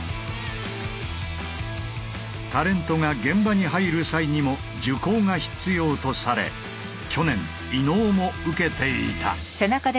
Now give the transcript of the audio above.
タレントが現場に入る際にも受講が必要とされ去年伊野尾も受けていた。